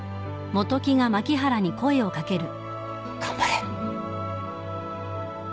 頑張れ。